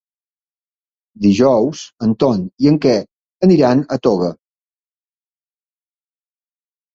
Dijous en Ton i en Quer aniran a Toga.